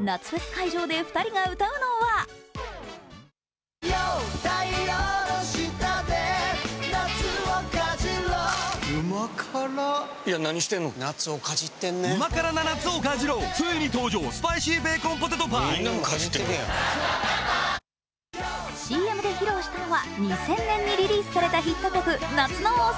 夏フェス会場で２人が歌うのはＣＭで披露されたのは２０００年にリリースされたヒット曲「夏の王様」。